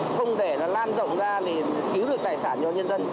không để nó lan rộng ra thì cứu được tài sản cho nhân dân